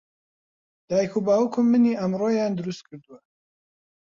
دایک و باوکم منی ئەمڕۆیان دروست کردووە.